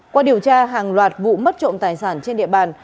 qua điều tra hàng loạt vụ mất trộm tài sản trên địa bàn